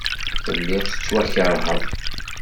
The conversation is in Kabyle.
Telliḍ tettwakeṛheḍ.